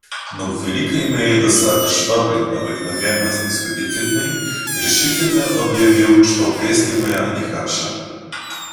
Но, к великой моей досаде, Швабрин, обыкновенно снисходительный, решительно объявил, что песня моя нехороша.